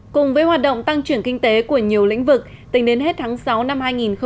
cùng với hoạt động tăng trưởng kinh tế của nhiều lĩnh vực tính đến hết tháng sáu năm hai nghìn hai mươi